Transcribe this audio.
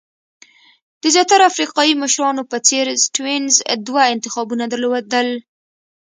د زیاترو افریقایي مشرانو په څېر سټیونز دوه انتخابونه درلودل.